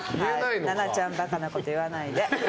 奈々ちゃんバカなこと言わないで。